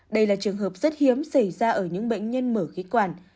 đây là trường hợp rất hiếm xảy ra ở những bệnh nhân mở khí quản